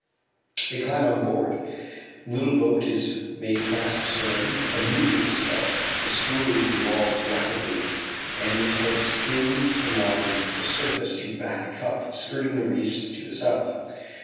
They climb on board, the little boat is made fast astern, a movement is felt, the screw revolves rapidly and the tug skims along the surface to Back Cup, skirting the reefs to the south.